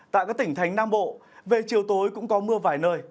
tại các tỉnh thánh nam bộ về chiều tối cũng có mưa vài nơi